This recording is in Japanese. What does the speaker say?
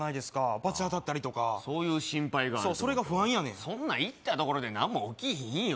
罰当たったりそういう心配があるとそうそれが不安やねん行ったところで何も起きひんよ